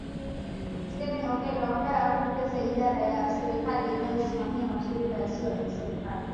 Stephen Okello ambaye anaongoza idara ya serikali inayosimamia mashirika yasiyo ya kiserikali